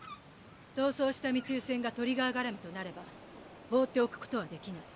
逃走した密輸船がトリガー絡みとなれば放っておくことはできない。